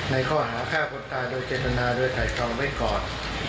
ในข้อหาค่าผลตายโดยเจตนาโดยถ่ายเคราะห์ไว้ก่อน